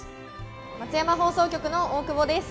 松山放送局の大久保です。